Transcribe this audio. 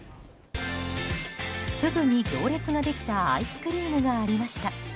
すぐに行列ができたアイスクリームがありました。